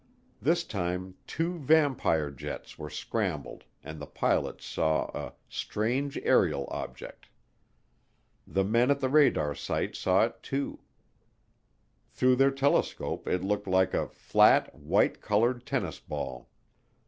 This time two Vampire jets were scrambled and the pilots saw a "strange aerial object." The men at the radar site saw it too; through their telescope it looked like a "flat, white coloured tennis ball."